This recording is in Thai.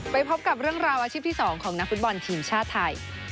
ไปพบกับเรื่องราวอาชีพที่๒ของนักฟุตบอลทีมชาติไทย